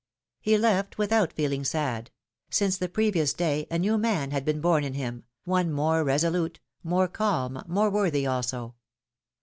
He left without feeling sad ; since the previous day a new man had been born in him, one more resolute, more calm, more worthy also.